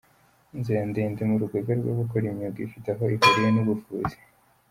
Inzira ndende mu rugaga rw’abakora imyuga ifite aho ihuriye n’ubuvuzi.